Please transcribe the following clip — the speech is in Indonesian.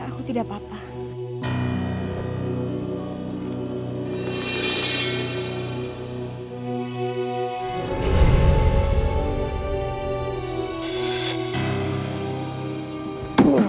aku tidak apa apa